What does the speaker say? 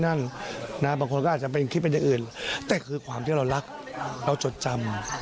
บางคนก็อาจจะเป็นคลิปเป็นอย่างอื่นแต่คือความที่เรารักเราจดจำ